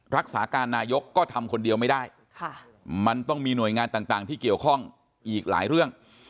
รักษาการนายกก็ทำคนเดียวไม่ได้มันต้องมีหน่วยงานต่างที่เกี่ยวข้องอีกหลายเรื่อง